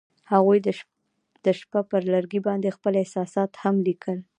هغوی د شپه پر لرګي باندې خپل احساسات هم لیکل.